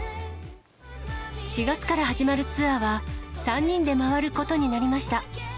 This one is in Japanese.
４月から始まるツアーは、３人で回ることになりました。